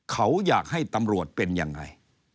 เขาอยากให้ตำรวจเป็นยังไง